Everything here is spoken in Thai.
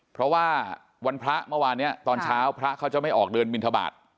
เพราะว่าวันพระเมื่อวานนี้ตอนเช้าพระเขาจะไม่ออกเดินบินทบาท